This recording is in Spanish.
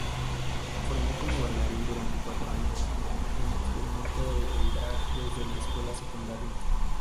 Se formó como bailarín durante cuatro años, en experimentó el drag desde escuela secundaria.